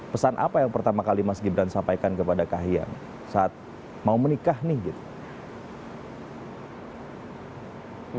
pesan apa yang pertama kali mas gibran sampaikan kepada kahiyang saat mau menikah nih gitu